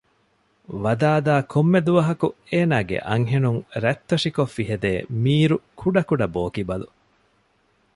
ވަދާދާ ކޮންމެ ދުވަހަކު އޭނާގެ އަންހެނުން ރަތްތޮށިކޮށް ފިހެދޭ މީރު ކުޑަކުޑަ ބޯކިބަލު